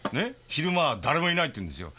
昼間は誰もいないっていうんですよ。